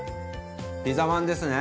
ピザまんですね！